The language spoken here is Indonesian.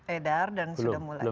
edar dan sudah mulai